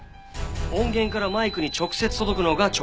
音源からマイクに直接届くのが直接音。